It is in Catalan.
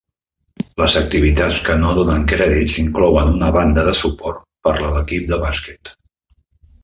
Les activitats que no donen crèdits inclouen una banda de suport per a l'equip de bàsquet.